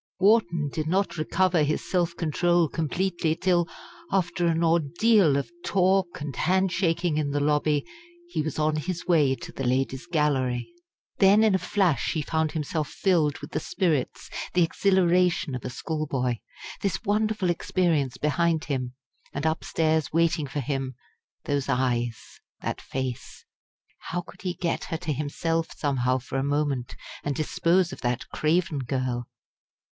Wharton did not recover his self control completely till, after an ordeal of talk and handshaking in the lobby, he was on his way to the Ladies' Gallery. Then in a flash he found himself filled with the spirits, the exhilaration, of a schoolboy. This wonderful experience behind him! and upstairs, waiting for him, those eyes, that face! How could he get her to himself somehow for a moment and dispose of that Craven girl?